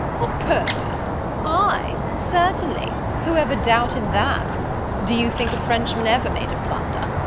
"O' purpose! ay, certainly; whoever doubted that? Do you think a Frenchman ever made a blunder?